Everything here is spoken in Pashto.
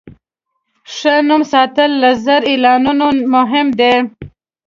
ښه نوم ساتل له زر اعلانونو مهم دی.